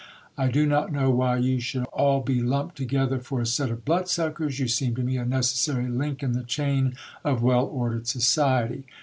I do not know why you should all be lumped together for a set of blood suckers ; you seem to me a necessary link in the chain of well ordered society.